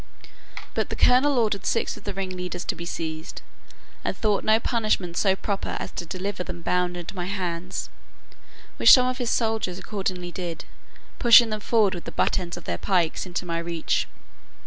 But the colonel ordered six of the ringleaders to be seized, and thought no punishment so proper as to deliver them bound into my hands; which some of his soldiers accordingly did, pushing them forward with the butt ends of their pikes into my reach.